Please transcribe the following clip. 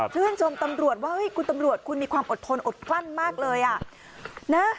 ชื่นชมตำรวจว่าเฮ้ยคุณตำรวจคุณมีความอดทนอดกลั้นมากเลยอ่ะนะ